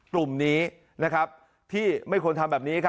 กลุ่มนี้ที่ไม่ควรทำแบบนี้